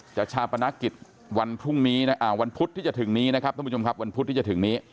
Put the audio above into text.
จักรชาปนักกิจวันพุทธที่จะถึงนี้นะครับท่านผู้ชมครับวันพุทธที่จะถึงนี้